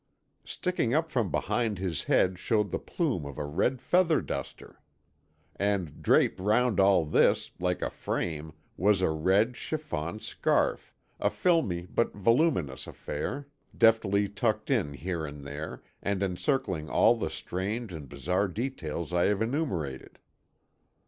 Sticking up from behind his head showed the plume of a red feather duster! And draped round all this, like a frame, was a red chiffon scarf, a filmy but voluminous affair, deftly tucked in here and there, and encircling all the strange and bizarre details I have enumerated.